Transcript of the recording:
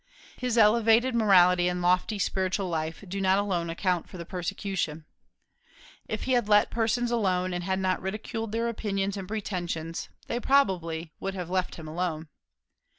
His elevated morality and lofty spiritual life do not alone account for the persecution. If he had let persons alone, and had not ridiculed their opinions and pretensions, they would probably have let him alone.